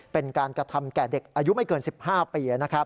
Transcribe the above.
เป็นการกระทำแก่เด็กอายุไม่เกิน๑๕ปี